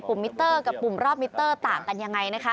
มิเตอร์กับปุ่มรอบมิเตอร์ต่างกันยังไงนะคะ